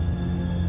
aku bisa sembuh